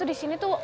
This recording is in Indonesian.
di sini tuh